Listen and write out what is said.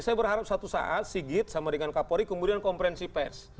saya berharap satu saat sigit sama dengan kapolri kemudian komprensi pers